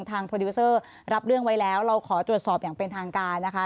โปรดิวเซอร์รับเรื่องไว้แล้วเราขอตรวจสอบอย่างเป็นทางการนะคะ